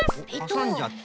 はさんじゃった。